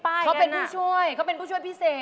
เขาเป็นผู้ช่วยผู้ช่วยพิเศษ